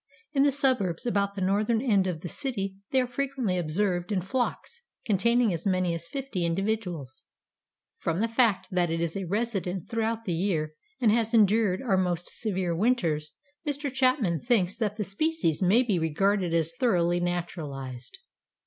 In the suburbs about the northern end of the city they are frequently observed in flocks containing as many as fifty individuals." From the fact that it is a resident throughout the year and has endured our most severe winters Mr. Chapman thinks that the species may be regarded as thoroughly naturalized.